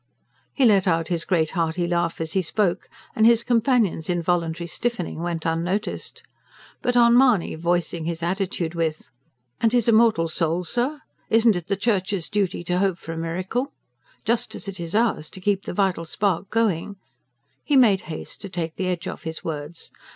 He let out his great hearty laugh as he spoke, and his companion's involuntary stiffening went unnoticed. But on Mahony voicing his attitude with: "And his immortal soul, sir? Isn't it the church's duty to hope for a miracle? ... just as it is ours to keep the vital spark going," he made haste to take the edge off his words.